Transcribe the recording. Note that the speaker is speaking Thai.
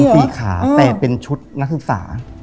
สี่ขาแต่เป็นชุดนักศึกษา